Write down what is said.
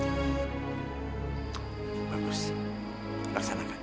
insya allah saya sanggup kan jeng gusti